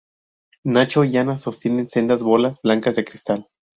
Nacho y Ana sostienen sendas bolas blancas de cristal.